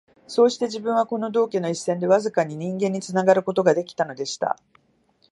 そうして自分は、この道化の一線でわずかに人間につながる事が出来たのでした